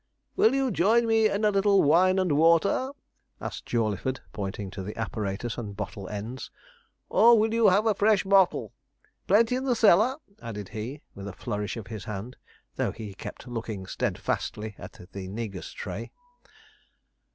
'Will you join me in a little wine and water?' asked Jawleyford, pointing to the apparatus and bottle ends, 'or will you have a fresh bottle? plenty in the cellar,' added he, with a flourish of his hand, though he kept looking steadfastly at the negus tray.